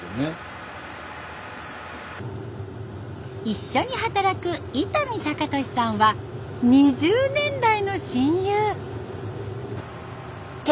一緒に働く伊丹隆敏さんは二十年来の親友。